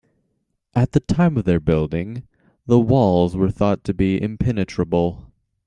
At the time of their building, the walls were thought to be impenetrable.